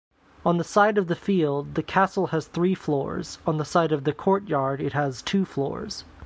On the side of the field, the castle has three floors, on the side of the courtyard, it has two floors.